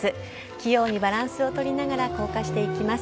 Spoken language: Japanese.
器用にバランスをとりながら降下していきます。